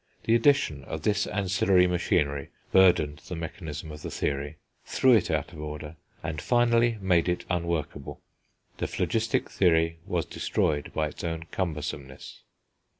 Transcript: The addition of this ancillary machinery burdened the mechanism of the theory, threw it out of order, and finally made it unworkable. The phlogistic theory was destroyed by its own cumbersomeness.